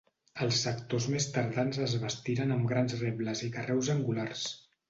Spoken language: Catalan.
Els sectors més tardans es bastiren amb grans rebles i carreus angulars.